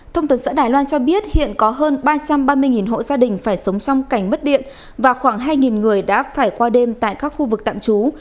thông tấn xã đài loan cho biết hiện có hơn ba trăm ba mươi hộ gia đình phải sống trong cảnh mất điện và khoảng hai người đã phải qua đêm tại các khu vực tạm trú